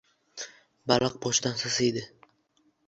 Baliq boshidan sasiydi.